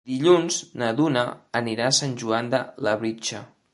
Dilluns na Duna anirà a Sant Joan de Labritja.